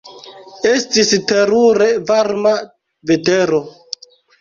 Estis terure varma vetero.